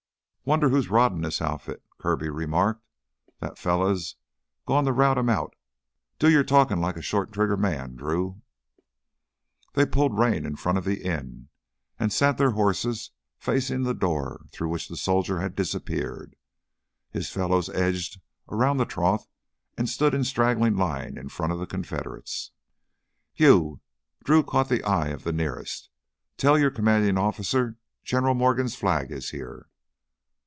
"Wonder who's roddin' this outfit," Kirby remarked. "That fella's gone to rout him out. Do your talkin' like a short trigger man, Drew." They pulled rein in front of the inn and sat their horses facing the door through which the soldier had disappeared. His fellows edged around the trough and stood in a straggling line to front the Confederates. "You!" Drew caught the eye of the nearest. "Tell your commanding officer General Morgan's flag is here!"